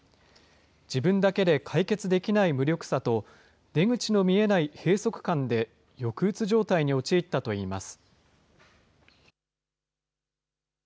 自分だけで解決できない無力さと、出口の見えない閉塞感で抑うつ状態に陥ったといいます。